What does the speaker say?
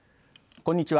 こんにちは。